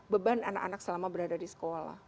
beban anak anak selama berada di sekolah